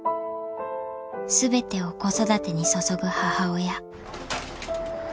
［全てを子育てに注ぐ母親］